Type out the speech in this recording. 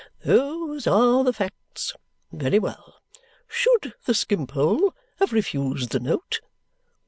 Those are the facts. Very well. Should the Skimpole have refused the note?